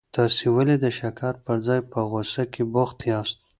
تاسي ولي د شکر پر ځای په غوسه کي بوخت یاست؟